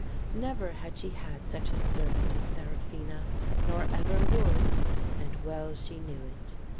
Never had she had such a servant as Seraphina, nor ever would, and well she knew it.